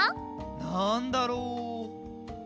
なんだろう？